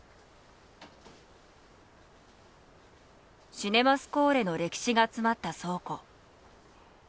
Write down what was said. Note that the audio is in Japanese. シネマスコーレの歴史が詰まった倉庫。